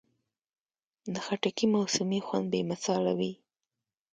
د خټکي موسمي خوند بې مثاله وي.